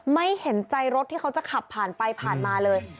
ไม่เห็นใจรถที่เขาจะขับผ่านไปผ่านมาเลย